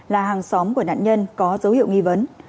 là hàng xóm của nạn nhân có dấu hiệu nghi vấn